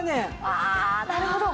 ああなるほど！